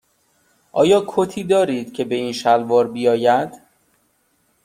آیا کتی دارید که به این شلوار بیاید؟